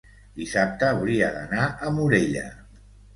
Dissabte hauria d'anar a Morella.